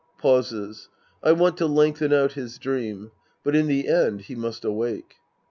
(Pauses.) I want to lengthen out his dream. But in the end, he must awake.